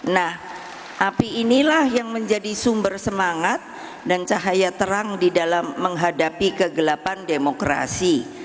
nah api inilah yang menjadi sumber semangat dan cahaya terang di dalam menghadapi kegelapan demokrasi